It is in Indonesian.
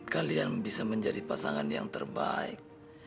kalian bisa menjadi pasangan yang terbaik